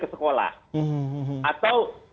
ke sekolah atau